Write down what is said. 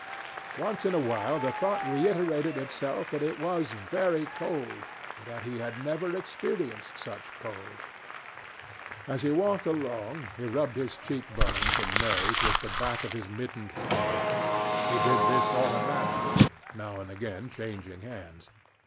Once in a while the thought reiterated itself that it was very cold and that he had never experienced such cold. As he walked along he rubbed his cheek bones and nose with the back of his mittened hand. He did this automatically, now and again changing hands.